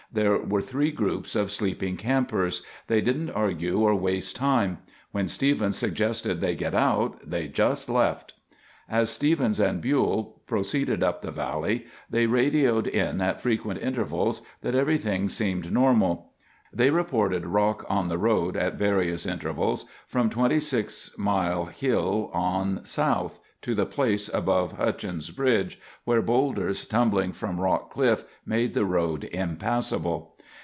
There were three groups of sleeping campers. They didn't argue or waste time. When Stevens suggested they get out, they just left. As Stevens and Buhl proceeded up the valley, they radioed in at frequent intervals that everything seemed normal. They reported rock on the road at various intervals from 26 mile hill on south to the place above Hutchins Bridge, where boulders tumbling from a rock cliff made the road impassable.